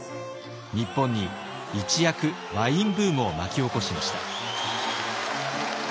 日本に一躍ワインブームを巻き起こしました。